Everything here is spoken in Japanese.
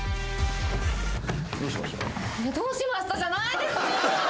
「どうしました？」じゃないですよ。